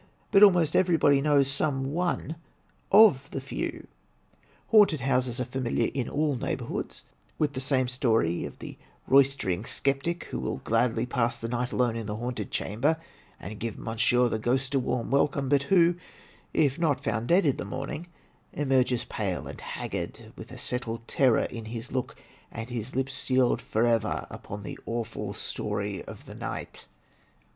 But almost everybody knows some one of the few. Haunted houses are familiar in all neighborhoods, with the same story of the roistering sceptic who will gladly pass the night alone in the haunted chamber, and give monsieur the ghost a warm welcome; but who, if not found dead in the morning, emerges pale and haggard, with a settled terror in his look, and his lips sealed forever upon the awful story of the night.